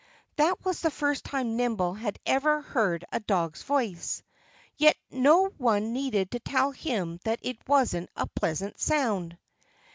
That was the first time Nimble had ever heard a dog's voice. Yet no one needed to tell him that it wasn't a pleasant sound.